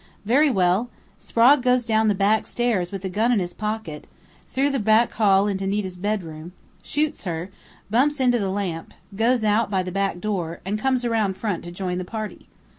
Very well! Sprague goes down the backstairs with the gun in his pocket, through the back hall into Nita's bedroom, shoots her, bumps into the lamp, goes out by the back door, and comes around front to join the party....